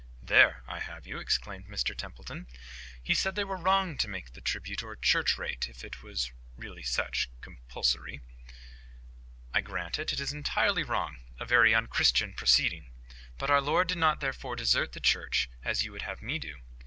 "There I have you," exclaimed Mr Templeton. "He said they were wrong to make the tribute, or church rate, if it really was such, compulsory." "I grant it: it is entirely wrong—a very unchristian proceeding. But our Lord did not therefore desert the Church, as you would have me do.